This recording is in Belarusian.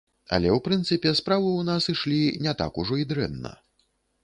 Але, у прынцыпе, справы ў нас ішлі не так ужо і дрэнна.